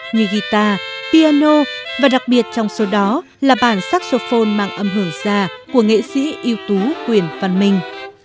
như guitar piano và đặc biệt trong số đó là bản saxophone mang âm hưởng già của nghệ sĩ ưu tú quyền văn minh